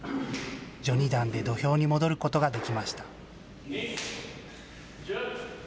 序二段で土俵に戻ることができました。